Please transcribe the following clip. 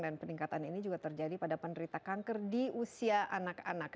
dan peningkatan ini juga terjadi pada penderita kanker di usia anak anak